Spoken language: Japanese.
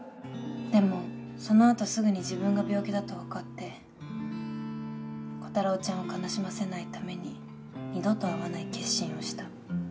でもそのあとすぐに自分が病気だとわかってコタローちゃんを悲しませないために二度と会わない決心をした。